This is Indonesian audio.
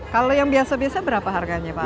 kalau yang biasa biasa berapa harganya pak